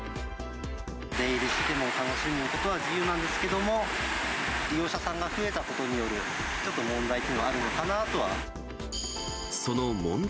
出入りして楽しむことは自由なんですけども、利用者さんが増えたことによる、ちょっと問題というのはあるのかなとは。